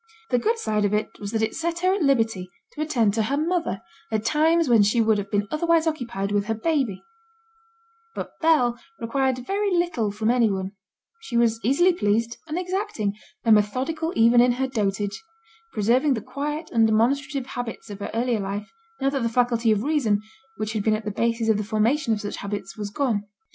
The good side of it was that it set her at liberty to attend to her mother at times when she would have been otherwise occupied with her baby; but Bell required very little from any one: she was easily pleased, unexacting, and methodical even in her dotage; preserving the quiet, undemonstrative habits of her earlier life now that the faculty of reason, which had been at the basis of the formation of such habits, was gone.